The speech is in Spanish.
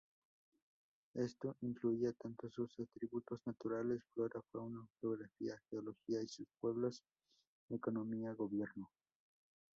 Eso incluía tanto sus atributos "naturales" --Flora, Fauna, Geografía, Geología--y sus pueblos, Economía, gobierno.